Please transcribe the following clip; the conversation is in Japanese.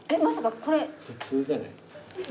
普通じゃない？